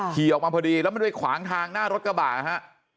ขี่ออกมาพอดีแล้วมันไปขวางทางหน้ารถกระบะฮะ